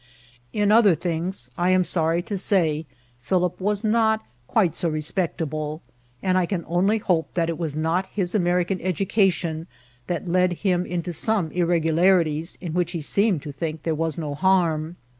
In other things, I am sorry to say, Philip was not quite so respectable ; and I can only hope that it was not his American education that led him into some irregularities in which he seemed to think there was no harm.